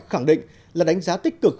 khẳng định là đánh giá tích cực